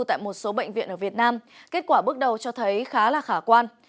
tại một số bệnh viện ở việt nam kết quả bước đầu cho thấy khá là khả quan